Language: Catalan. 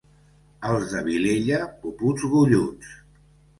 Els de Vilella, puputs golluts.